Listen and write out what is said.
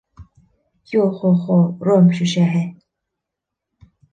Йо-хо-хо, ром шешәһе